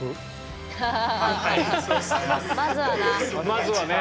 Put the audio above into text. まずはな。